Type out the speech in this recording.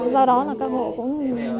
do đó các hộ cũng